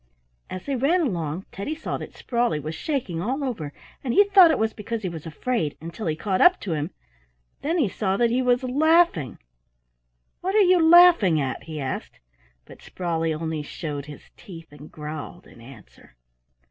As they ran along Teddy saw that Sprawley was shaking all over, and he thought it was because he was afraid, until he caught up to him; then he saw that he was laughing. "What are you laughing at?" he asked, but Sprawley only showed his teeth and growled in answer.